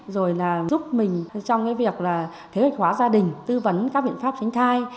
rồi là giúp mình trong cái việc là kế hoạch hóa gia đình tư vấn các biện pháp tránh thai